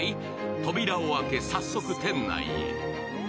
扉を開け早速店内へ。